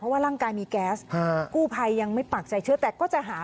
ว่าร่างกายมีแก๊สกู้ภัยยังไม่ปากใจเชื่อแต่ก็จะหา